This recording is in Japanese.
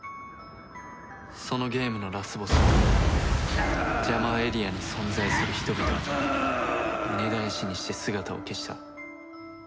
そのゲームのラスボスはジャマーエリアに存在する人々を根絶やしにして姿を消した。